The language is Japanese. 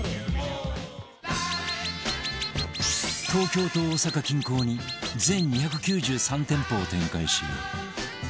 東京と大阪近郊に全２９３店舗を展開し